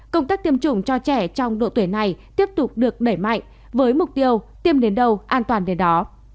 công tác tiêm chủng cho trẻ trong độ tuổi này tiếp tục được đẩy mạnh với mục tiêu tiêm đến đâu an toàn đến đó